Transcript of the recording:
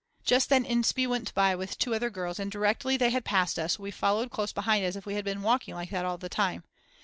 Just then Inspee went by with two other girls and directly they had passed us we followed close behind as if we had been walking like that all the time.